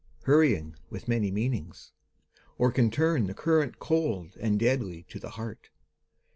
Hurrying with many meanings; or can turn The current cold and deadly to the heart.